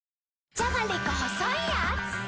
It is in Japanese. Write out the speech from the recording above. じゃがりこ細いやーつ